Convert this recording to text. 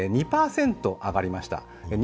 ２％上がりました。